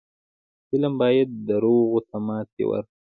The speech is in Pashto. فلم باید دروغو ته ماتې ورکړي